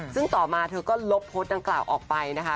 ซึ่งต่อมาเธอก็ลบโพสต์ดังกล่าวออกไปนะคะ